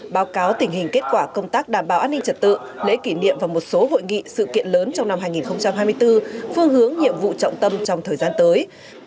báo cáo tình hình kết quả công tác đảm bảo an ninh trật tự lễ kỷ niệm và một số hội nghị sự kiện lớn trong năm hai nghìn hai mươi bốn phương hướng nhiệm vụ trọng tâm trong thời gian tới